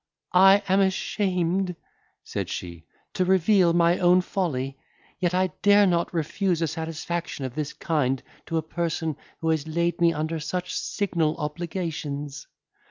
"I am ashamed," said she, "to reveal my own folly; yet I dare not refuse a satisfaction of this kind to a person who has laid me under such signal obligations."